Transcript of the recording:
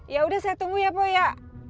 yaudah saya tunggu ya pok iya